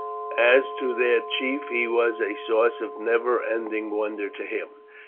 As to their chief, he was a source of never ending wonder to him.